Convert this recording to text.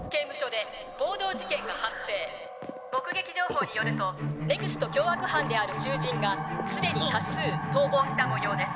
目撃情報によるとＮＥＸＴ凶悪犯である囚人がすでに多数逃亡したもようです。